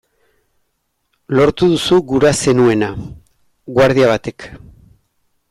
Lortu duzu gura zenuena!, guardia batek.